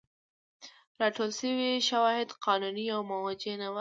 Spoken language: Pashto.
راټول شوي شواهد قانوني او موجه نه وو.